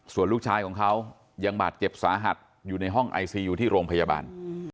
ส่วนลูกชายของเขายังบาดเจ็บสาหัสอยู่ในห้องไอซียูที่โรงพยาบาล